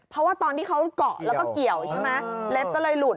เพราะว่าตอนที่เขาเกาะแล้วก็เกี่ยวใช่ไหมเล็บก็เลยหลุด